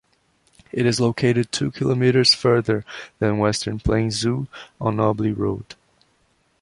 It is located two kilometres further than Western Plains Zoo on Obley Road.